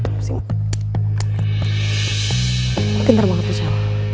pinter banget tuh sel